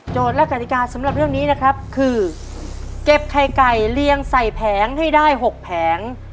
และกฎิกาสำหรับเรื่องนี้นะครับคือเก็บไข่ไก่เลี้ยงใส่แผงให้ได้๖แผง